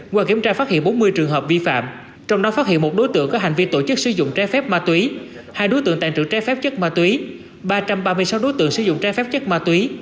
qua kiểm tra phát hiện bốn mươi trường hợp vi phạm trong đó phát hiện một đối tượng có hành vi tổ chức sử dụng trái phép ma túy hai đối tượng tàn trự trái phép chất ma túy ba trăm ba mươi sáu đối tượng sử dụng trái phép chất ma túy